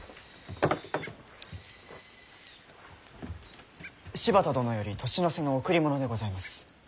柴田殿より年の瀬の贈り物でございます。